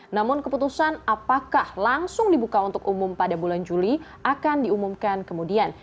namun keputusan apakah langsung dibuka untuk umum pada bulan juli akan diumumkan kemudian